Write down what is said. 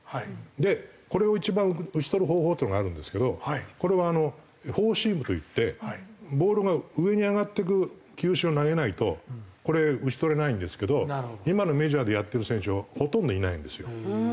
でこれを一番打ち取る方法っていうのがあるんですけどこれはフォーシームといってボールが上に上がっていく球種を投げないとこれ打ち取れないんですけど今のメジャーでやってる選手はほとんどいないんですよ。